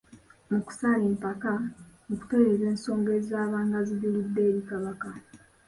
Mu kusala empaka, mu kutereeza ensonga ezaabanga zijulidde eri Kabaka.